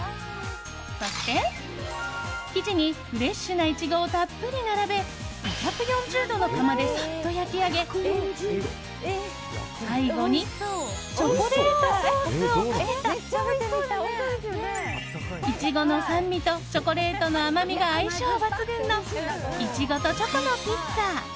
そして、生地にフレッシュなイチゴをたっぷり並べ５４０度の窯でサッと焼き上げ最後にチョコレートソースをかけたイチゴの酸味とチョコレートの甘みが相性抜群のいちごとチョコのピッツァ。